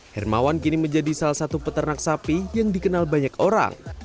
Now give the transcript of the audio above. hermawan kini menjadi salah satu peternak sapi yang dikenal banyak orang